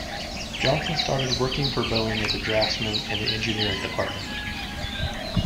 Johnson started working for Boeing as draftsman in the engineering department.